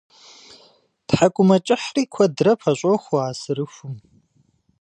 Тхьэкӏумэкӏыхьри куэдрэ пэщӏохуэ а сырыхум.